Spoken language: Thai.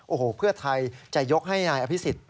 โอ้โหเพื่อไทยจะยกให้นายอภิษฎ